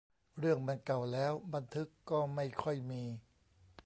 เรื่องมันเก่าแล้ว บันทึกก็ไม่ค่อยมี